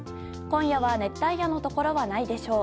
今夜は熱帯夜のところはないでしょう。